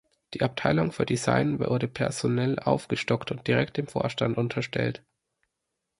Die Abteilung für Design wurde personell aufgestockt und direkt dem Vorstand unterstellt.